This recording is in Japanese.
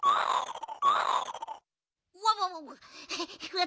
わわわわ。